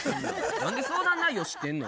何で相談内容知ってんの？